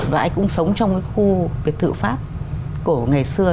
và anh cũng sống trong cái khu biệt thự pháp cổ ngày xưa